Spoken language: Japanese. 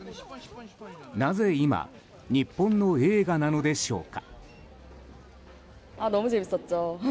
なぜ今日本の映画なのでしょうか。